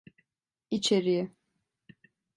İçeriye.